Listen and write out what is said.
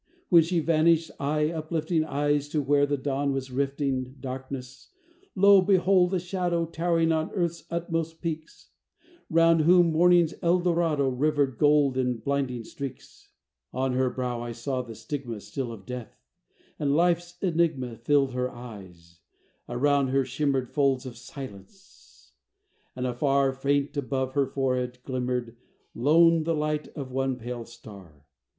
When she vanished, I uplifting Eyes to where the dawn was rifting Darkness, lo! beheld a shadow Towering on Earth's utmost peaks; Round whom morning's El Dorado Rivered gold in blinding streaks. On her brow I saw the stigma Still of death; and life's enigma Filled her eyes: around her shimmered Folds of silence; and afar, Faint above her forehead, glimmered Lone the light of one pale star.